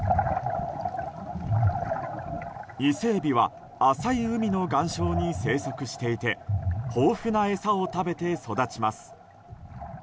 イセエビは浅い海の岩礁に生息していて豊富な餌を食べて育ちます。